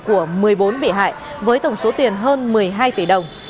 của một mươi bốn bị hại với tổng số tiền hơn một mươi hai tỷ đồng